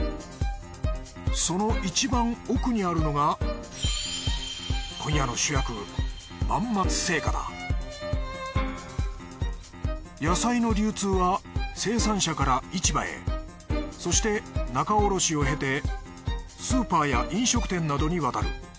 そのいちばん奥にあるのが今夜の主役野菜の流通は生産者から市場へそして仲卸を経てスーパーや飲食店などに渡る。